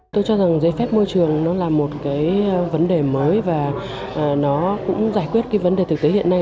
tôi cho rằng giấy phép môi trường là một vấn đề mới và nó cũng giải quyết vấn đề thực tế hiện nay